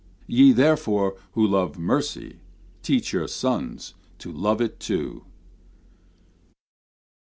Ye, therefore, who love mercy, teach your sons To love it too.